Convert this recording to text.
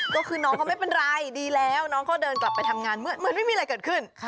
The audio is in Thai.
ก็คือน้องเขาไม่เป็นไรดีแล้วน้องเขาเดินกลับไปทำงานเหมือนไม่มีอะไรเกิดขึ้น